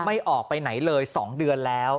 ไม่ออกไปไหนเลย๒เดือนแล้ว